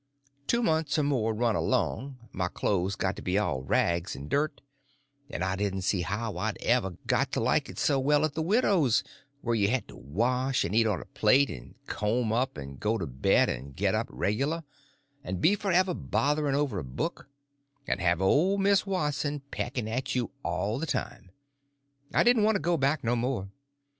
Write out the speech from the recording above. Two months or more run along, and my clothes got to be all rags and dirt, and I didn't see how I'd ever got to like it so well at the widow's, where you had to wash, and eat on a plate, and comb up, and go to bed and get up regular, and be forever bothering over a book, and have old Miss Watson pecking at you all the time. I didn't want to go back no more.